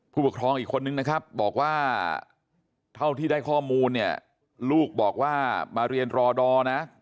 ผู้ปกครองอีกคนนึงนะครับบอกว่าเท่าที่ได้ข้อมูลเนี่ยลูกบอกว่ามาเรียนรอดอนะ